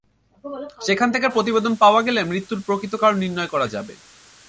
সেখান থেকে প্রতিবেদন পাওয়া গেলে মৃত্যুর প্রকৃত কারণ নির্ণয় করা যাবে।